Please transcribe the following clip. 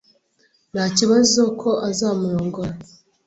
Ntakibazo ko azamurongora